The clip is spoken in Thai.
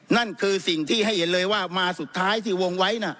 นั่นคือสิ่งที่ให้เห็นเลยว่ามาสุดท้ายที่วงไว้